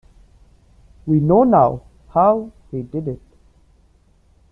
We know now how he did it.